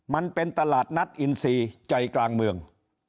มันเป็นตลาดนัดอินซีใจกลางเมือง